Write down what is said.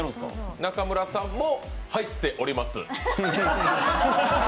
中村さんも入っております。